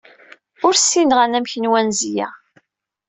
Ur ssineɣ anamek n wanzi-a.